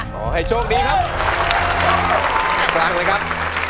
ขอให้โชคดีครับ